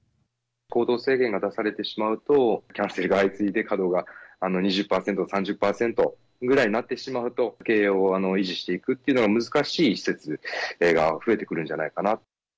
行動制限が出されてしまうと、キャンセルが相次いで、稼働が２０％、３０％ぐらいになってしまうと、経営を維持していくっていうのが難しい施設が増えてくるんじゃな